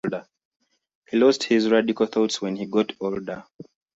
He lost his radical thoughts when he got older.